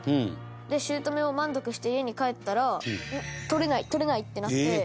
で姑は満足して家に帰ったら取れない取れないってなって。